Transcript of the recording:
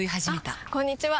あこんにちは！